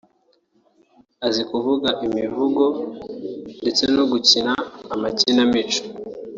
azi kuvuga imivugo no gukina amakinamico